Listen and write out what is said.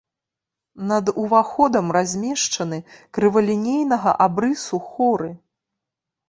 Над уваходам размешчаны крывалінейнага абрысу хоры.